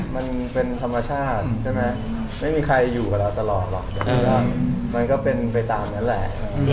มันเป็นธรรมชาติใช่ไหมไม่มีใครอยู่กับเราตลอดหรอกแต่ว่ามันก็เป็นไปตามนั้นแหละ